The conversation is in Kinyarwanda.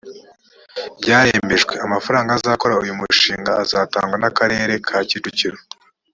byaremejwe amafaranga azakora uyu mushinga azatangwa n akarere ka kicukiro